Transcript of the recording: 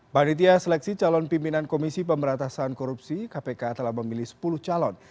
panitia seleksi calon pimpinan komisi pemberantasan korupsi kpk telah memilih sepuluh calon